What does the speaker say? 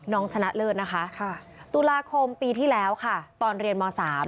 ชนะเลิศนะคะตุลาคมปีที่แล้วค่ะตอนเรียนม๓